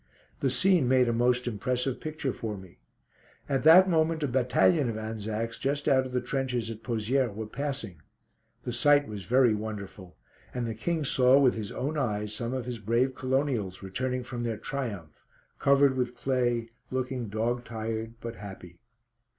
The scene made a most impressive picture for me. At that moment a battalion of Anzacs just out of the trenches at Pozières were passing. The sight was very wonderful, and the King saw with his own eyes some of his brave Colonials returning from their triumph, covered with clay, looking dog tired but happy.